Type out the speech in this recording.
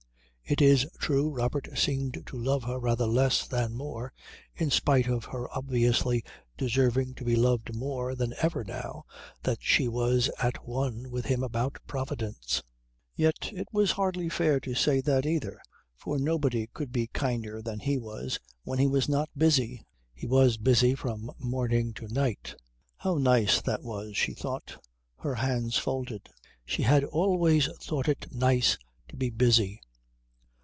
It is true Robert seemed to love her rather less than more, in spite of her obviously deserving to be loved more than ever now that she was at one with him about Providence; yet it was hardly fair to say that, either, for nobody could be kinder than he was when he was not busy. He was busy from morning to night. How nice that was, she thought, her hands folded; she had always thought it nice to be busy.